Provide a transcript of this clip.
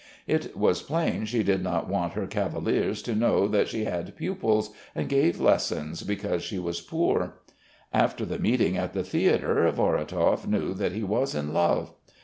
It was plain she did not want her cavaliers to know that she had pupils and gave lessons because she was poor. After the meeting at the theatre Vorotov knew that he was in love.